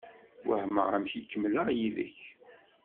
Wehmeɣ amek i kemmleɣ yid-k.